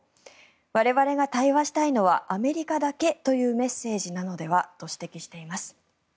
我々が対話したいのはアメリカだけというメッセージなのではと指摘しています。